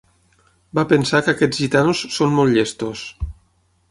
Va pensar que aquests gitanos són molt llestos.